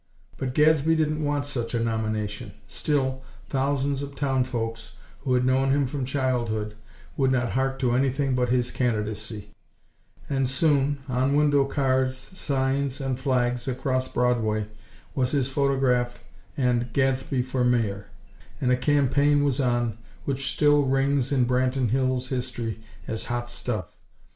But Gadsby didn't want such a nomination; still, thousands of townsfolks who had known him from childhood, would not hark to anything but his candidacy; and, soon, on window cards, signs, and flags across Broadway, was his photograph and "GADSBY FOR MAYOR;" and a campaign was on which still rings in Branton Hills' history as "hot stuff!"